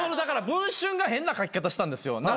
『文春』が変な書き方したんですよ。